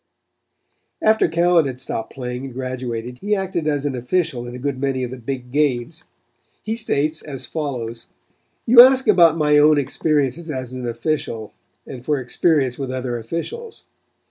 After Cowan had stopped playing and graduated he acted as an official in a good many of the big games. He states as follows: "You ask about my own experiences as an official, and for experience with other officials.